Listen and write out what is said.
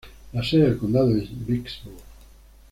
La sede del condado es Vicksburg.